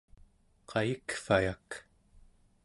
qayikvayak